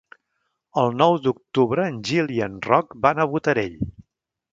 El nou d'octubre en Gil i en Roc van a Botarell.